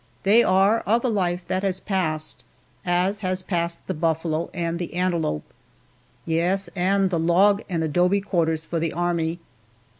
They are of a life that has passed as has passed the buffalo and the antelope yes, and the log and adobe quarters for the Army.